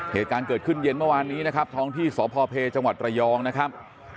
เหตุการณ์เกิดขึ้นเย็นเมื่อวานนี้นะครับท้องที่สพเพจังหวัดระยองนะครับ